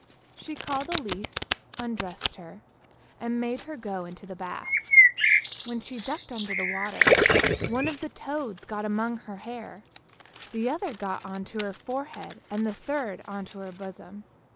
CfteuIILD S (CLANS 1 THE WILD SWANS 39 She called Elise, undressed her, and made her go into the bath; when she ducked under the water, one of the toads got among her hair, the other got on to her forehead, and the third on to her bosom.